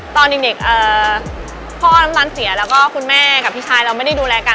ตอนเด็กพ่อน้ำตาลเสียแล้วก็คุณแม่กับพี่ชายเราไม่ได้ดูแลกัน